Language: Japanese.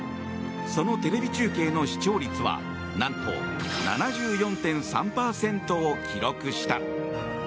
そのテレビ中継の視聴率は何と７４．３％を記録した。